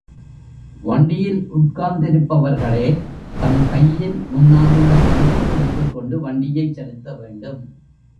வண்டியில் உட்கார்ந்திருப்பவர்களே தம் கையில் முன்னாலுள்ள கம்பியைப் பிடித்துக் கொண்டு வண்டியைச் செலுத்த வேண்டும்.